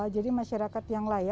jadi masyarakat yang layak